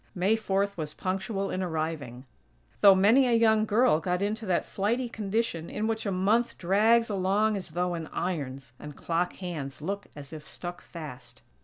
May Fourth was punctual in arriving; though many a young girl got into that flighty condition in which a month drags along as though in irons, and clock hands look as if stuck fast.